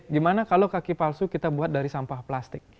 gimana kalau kaki palsu kita buat dari sampah plastik